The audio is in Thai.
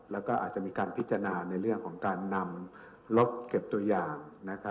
แล้วก็อาจจะมีการพิจารณาในเรื่องของการนำรถเก็บตัวอย่าง